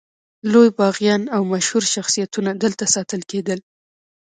لوی باغیان او مشهور شخصیتونه دلته ساتل کېدل.